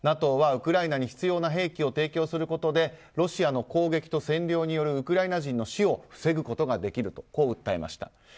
ＮＡＴＯはウクライナに必要な兵器を提供することでロシアの攻撃と占領によるウクライナ人の死を防ぐことができると訴えました。